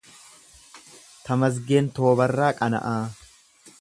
Tamasgeen Toobarraa Qana’aa